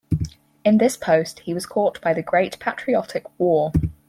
In this post he was caught by the Great Patriotic War.